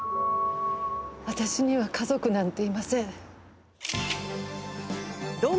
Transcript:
私には家族なんていません。